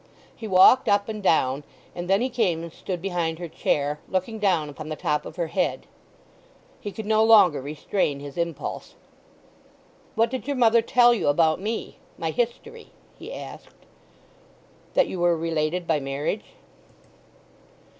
He walked up and down, and then he came and stood behind her chair, looking down upon the top of her head. He could no longer restrain his impulse. "What did your mother tell you about me—my history?" he asked. "That you were related by marriage."